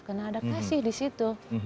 karena ada kasih di situ